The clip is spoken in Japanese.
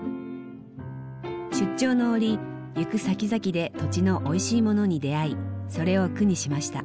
出張の折行くさきざきで土地のおいしいものに出会いそれを句にしました。